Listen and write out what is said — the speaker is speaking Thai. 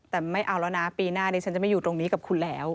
แต่ไม่เอาแล้วนะปีหน้าดิฉันจะไม่อยู่ตรงนี้กับคุณแล้ว